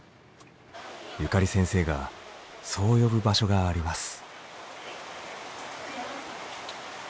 ゆかり先生がそう呼ぶ場所があります。